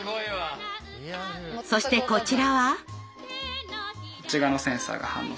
そしてこちらは。